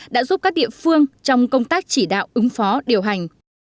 đã giúp các địa phương trong công tác chỉ đạo ứng phó điều hành